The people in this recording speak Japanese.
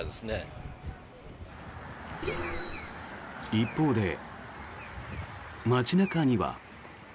一方で、街中には。